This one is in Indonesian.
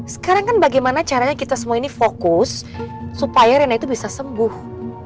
sekarang kan bagaimana caranya kita semua ini fokus supaya rena itu bisa sembuh